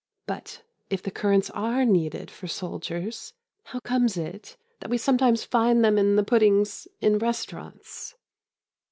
But if the currants are needed for soldiers, how comes it that we sometimes find them in the puddings in restaurants?